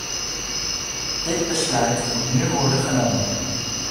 Dit besluit moet nu worden genomen.